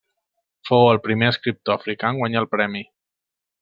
Fou el primer escriptor africà en guanyar el premi.